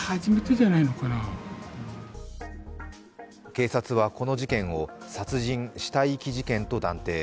警察はこの事件を殺人・死体遺棄事件と断定。